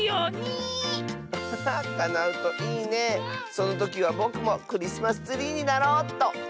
そのときはぼくもクリスマスツリーになろうっと。